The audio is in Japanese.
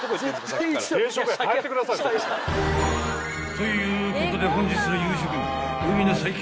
ということで本日の夕食］